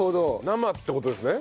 生って事ですね。